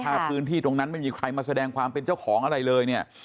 ถ้าพื้นที่ตรงนั้นไม่มีใครมาแสดงความเป็นเจ้าของอะไรเลยเนี่ย